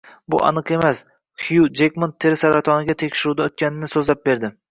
“Bu aniq emas”. Xyu Jekman teri saratoniga tekshiruvdan o‘tganini so‘zlab berdi